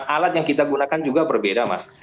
alat yang kita gunakan juga berbeda mas